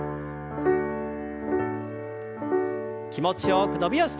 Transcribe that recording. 気持ちよく伸びをして。